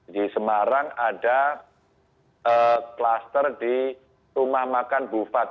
di semarang ada kluster di rumah makan bufat